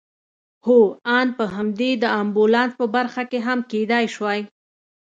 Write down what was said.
هو آن په همدې د امبولانس په برخه کې هم کېدای شوای.